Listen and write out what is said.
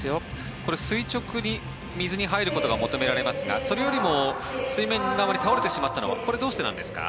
これ、垂直に水に入ることが求められますがそれよりも水面側に倒れてしまったのはどうしてなんですか？